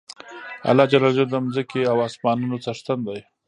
الله ج د ځمکی او اسمانونو څښتن دی